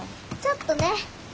ちょっとね。